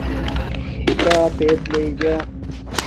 کھیتاپ ایت لݵجا